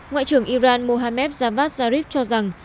ngoại trưởng iran mohammed javad zarif cho rằng